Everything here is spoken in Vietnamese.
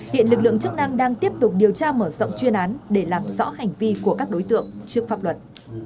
hiện lực lượng chức năng đang tiếp tục điều tra mở rộng chuyên án để làm rõ hành vi của các đối tượng trước pháp luật